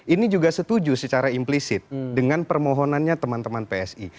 ini juga setuju secara implisit dengan permohonannya teman teman psi